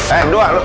eh dua lu